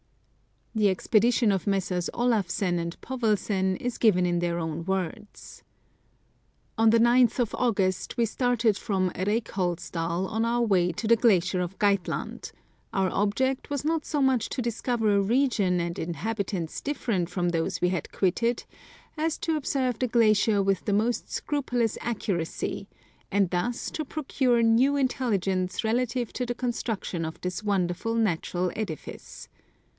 The expedition of Messrs. Olafsen and Povelsen is given in their own words. " On the 9th of August we started from Reykholtsdal on our way to the glacier of Geitland ; our object was not so much to discover a region and inhabitants different from those we had quitted, as to observe the glacier with the most scrupulous accuracy, and thus to procure new intelligence relative to the construction of this wonderful natural edifice.